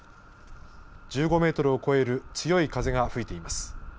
１５メートルを超える強い風が吹いています。